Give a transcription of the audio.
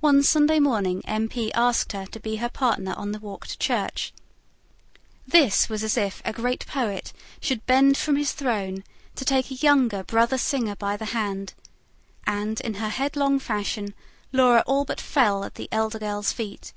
One Sunday morning M. P. asked her to be her partner on the walk to church. This was as if a great poet should bend from his throne to take a younger brother singer by the hand; and, in her headlong fashion, Laura all but fell at the elder girl's feet.